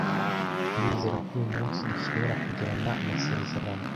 Ndizera ko uyu munsi dushobora kugirana amasezerano.